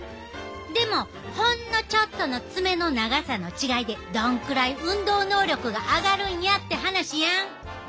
でもほんのちょっとの爪の長さの違いでどんくらい運動能力が上がるんやって話やん。